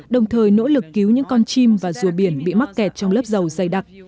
đồng thời nỗ lực cứu những con chim và rùa biển bị mắc kẹt trong lớp dầu dày đặc